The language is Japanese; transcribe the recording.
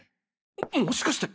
もしかして！